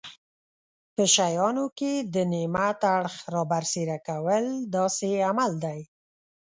په شیانو کې د نعمت اړخ رابرسېره کول داسې عمل دی.